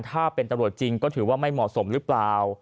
ถ้าเป็นตำรวจจริงก็ถือว่าไม่เหมาะสมหรือเปล่า